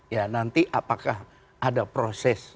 ya nanti apakah ada proses